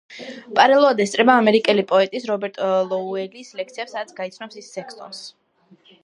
პარალელურად ესწრება ამერიკელი პოეტის, რობერტ ლოუელის ლექციებს, სადაც გაიცნობს ან სექსტონს.